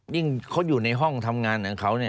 ยิ่งเขาอยู่ในห้องทำงานของเขาเนี่ย